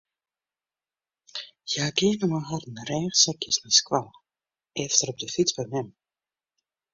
Hja geane mei harren rêchsekjes nei skoalle, efter op de fyts by mem.